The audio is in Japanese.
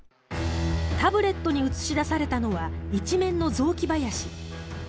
タブレットに映し出されたのは一面の雑木林。